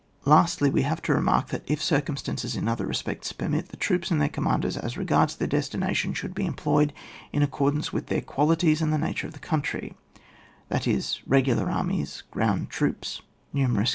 Lastly, we have to remark that, if cir cumstances in other respects permit, the troops and their commanders, as regards their destination, should be employed in accordance with their qualities and the nature of the country — that is re gular armies; good troops; numerous 90 ON WAR.